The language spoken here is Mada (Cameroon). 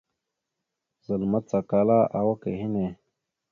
Zal macala awak a henne.